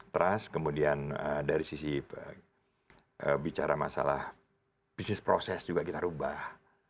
trust kemudian dari sisi bicara masalah bisnis proses juga kita ubah